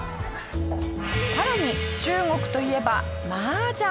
更に中国といえば麻雀。